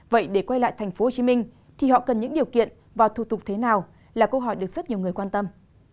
vậy để quay lại tp hcm thì họ cần những điều kiện và thủ tục thế nào là câu hỏi được rất nhiều người quan tâm